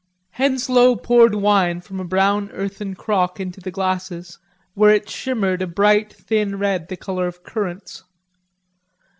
III Henslowe poured wine from a brown earthen crock into the glasses, where it shimmered a bright thin red, the color of currants.